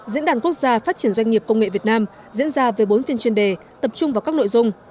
diễn đàn quốc gia phát triển doanh nghiệp công nghệ việt nam diễn ra với bốn phiên chuyên đề tập trung vào các nội dung